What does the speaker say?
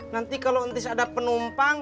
nanti kalau nanti ada penumpang